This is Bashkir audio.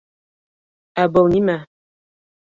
Ә был нимә?!